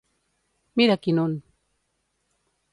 Mira, quin un!